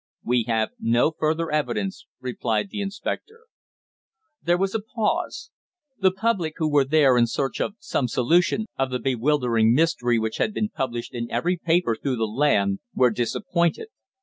"We have no further evidence," replied the inspector. There was a pause. The public who were there in search of some solution of the bewildering mystery which had been published in every paper through the land, were disappointed.